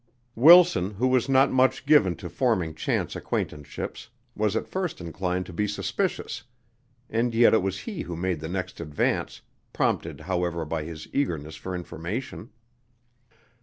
Wilson, who was not much given to forming chance acquaintanceships, was at first inclined to be suspicious, and yet it was he who made the next advance, prompted, however, by his eagerness for information.